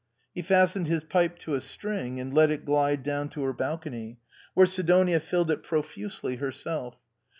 He fastened his pipe to a string, and let it glide down to her balcony, where Sidojiia filled it profusely herself.